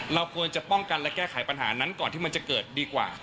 เราควรจะป้องกันและแก้ไขปัญหานั้นก่อนที่มันจะเกิดดีกว่า